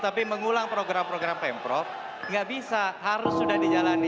tapi mengulang program program pemprov nggak bisa harus sudah dijalani